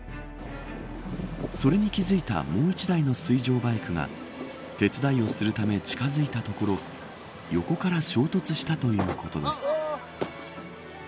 それに気付いたもう１台の水上バイクが手伝いをするため近づいたところ横から衝突したということです。